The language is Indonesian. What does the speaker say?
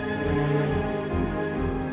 aku akan gunakan waktu ini